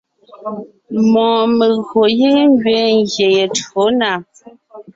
Mɔɔn megÿò giŋ ngẅiin ngyè ye tÿǒ na.